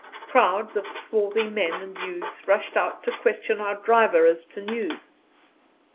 Crowds of swarthy men and youths rushed out to question our driver as to news.